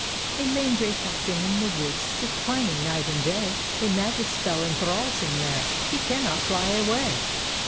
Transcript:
"A lame gray falcon, in the woods, Sits pining night and day. A magic spell enthralls him there; He cannot fly away.